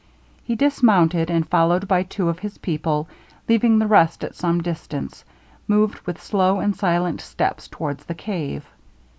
He dismounted, and followed by two of his people, leaving the rest at some distance, moved with slow and silent steps towards the cave.